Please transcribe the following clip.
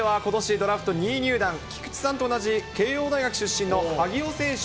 ドラフト２位入団、菊池さんと同じ慶應大学出身の萩尾選手。